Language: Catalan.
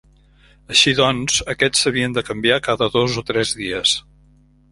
Així doncs, aquests s'havien de canviar cada dos o tres dies.